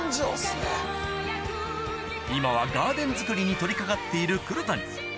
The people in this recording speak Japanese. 今はガーデン作りに取り掛かっている黒谷